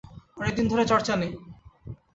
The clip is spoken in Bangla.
অনেকদিন ধরে চর্চা নেই।